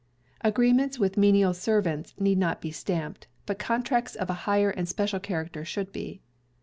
Agreements with menial servants need not be stamped; but contracts of a higher and special character should be.